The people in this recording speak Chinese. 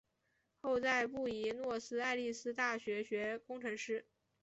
后在布宜诺斯艾利斯大学学工程师。